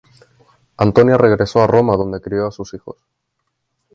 Antonia regresó a Roma donde crió a sus hijos.